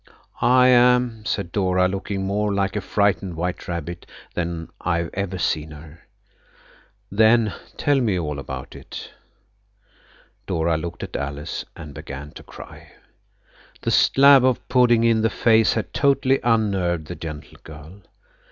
"I am," said Dora, looking more like a frightened white rabbit than I've ever seen her. "Then tell me all about it." Dora looked at Alice and began to cry. That slab of pudding in the face had totally unnerved the gentle girl.